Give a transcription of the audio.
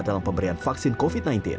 dalam pemberian vaksin covid sembilan belas